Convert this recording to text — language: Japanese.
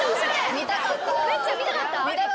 見たかった？